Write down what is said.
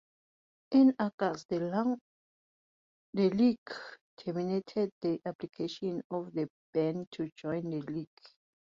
In August, the league terminated the application of the Burn to join the league.